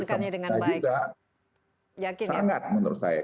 saya juga sangat menurut saya